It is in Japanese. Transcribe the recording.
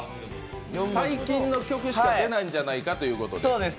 最近の曲しか出ないんじゃないかということで？